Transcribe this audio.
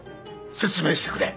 説明してくれ。